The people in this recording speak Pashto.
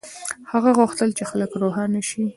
هغه غوښتل چې خلک روښانه شي.